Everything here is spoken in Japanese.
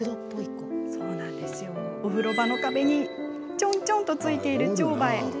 お風呂場の壁に、ちょんちょんとついているチョウバエ。